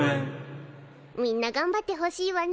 みんながんばってほしいわね。